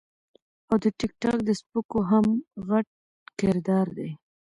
او د ټک ټاک د سپکو هم غټ کردار دے -